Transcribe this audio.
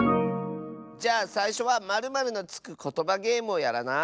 じゃあさいしょは○○のつくことばゲームをやらない？